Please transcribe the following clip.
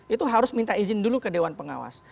itu harus minta izin dulu ke dewan pengawas